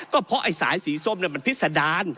ก็เพราะไอ้สายสีส้มมันพิษดาร